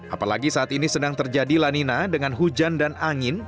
apalagi saat ini sedang terjadi lanina dengan hujan dan angin